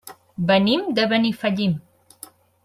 Venim de Benifallim.